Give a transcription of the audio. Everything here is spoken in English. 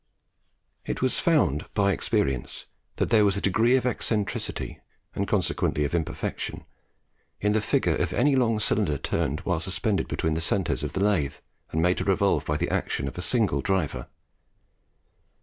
It was found by experience, that there was a degree of eccentricity, and consequently of imperfection, in the figure of any long cylinder turned while suspended between the centres of the lathe, and made to revolve by the action of a single driver.